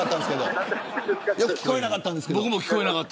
僕も聞こえなかったんですけど。